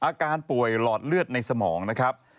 อาการป่วยหลอดเลือดในสมองนะครับ